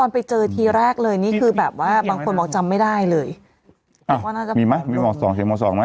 เนี่ยนิดหนึ่งครับบอก